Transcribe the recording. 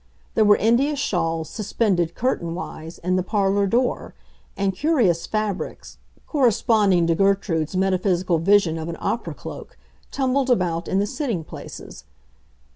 There were India shawls suspended, curtain wise, in the parlor door, and curious fabrics, corresponding to Gertrude's metaphysical vision of an opera cloak, tumbled about in the sitting places.